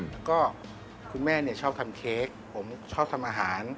แล้วก็คุณแม่ชอบทำเค้กผมชอบทำอาหาร